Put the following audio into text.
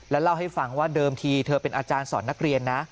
เล่าให้ฟังว่าเดิมทีเธอเป็นอาจารย์สอนนักเรียนนะ